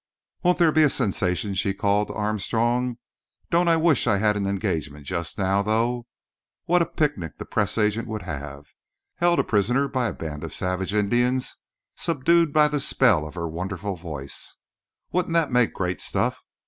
"Won't there be a sensation?" she called to Armstrong. "Don't I wish I had an engagement just now, though! What a picnic the press agent would have! 'Held a prisoner by a band of savage Indians subdued by the spell of her wonderful voice'—wouldn't that make great stuff?